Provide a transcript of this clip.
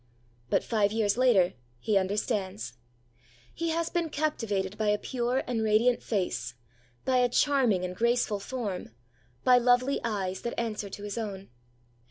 But five years later he understands! He has been captivated by a pure and radiant face, by a charming and graceful form, by lovely eyes that answer to his own.